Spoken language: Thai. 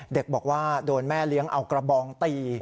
เด็กบอกว่าโดนแม่เลี้ยงเอากระบองตี